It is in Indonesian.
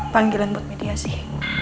panggilan buat media sih